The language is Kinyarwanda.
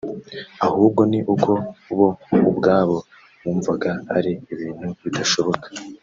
ahubwo ni uko bo ubwabo bumvaga ari ibintu bidashoboka